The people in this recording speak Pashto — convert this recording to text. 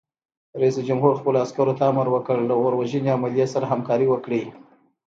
رئیس جمهور خپلو عسکرو ته امر وکړ؛ له اور وژنې عملې سره همکاري وکړئ!